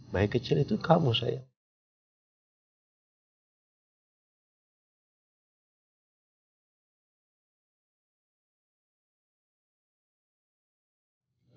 bayi kecil itu kamu saya